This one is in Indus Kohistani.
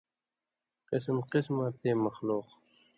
قِسم قِسماں تِئیں مخلوق